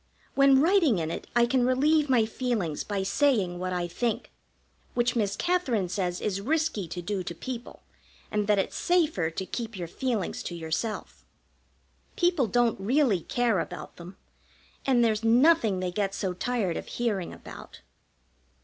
When writing in it I can relieve my feelings by saying what I think, which Miss Katherine says is risky to do to people, and that it's safer to keep your feelings to yourself. People don't really care about them, and there's nothing they get so tired of hearing about.